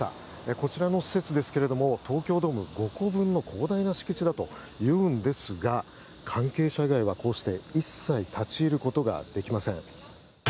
こちらの施設ですが東京ドーム５個分の広大な敷地だというんですが関係者以外は一切立ち入ることができません。